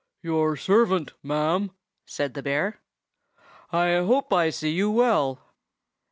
"Your servant, ma'am," said the bear. "I hope I see you well."